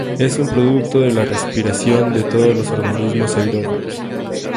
Es un producto de la respiración de todos los organismos aerobios.